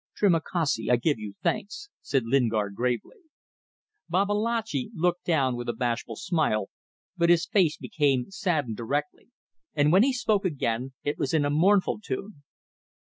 "Trima kassi! I give you thanks," said Lingard, gravely. Babalatchi looked down with a bashful smile, but his face became saddened directly, and when he spoke again it was in a mournful tone.